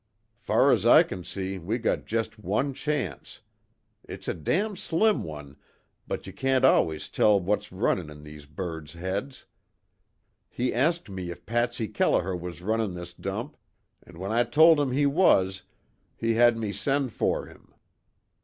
Far as I can see we got just one chance. It's a damn slim one, but you can't always tell what's runnin' in these birds' heads. He asked me if Patsy Kelliher was runnin' this dump, an' when I told him he was, he had me send for him.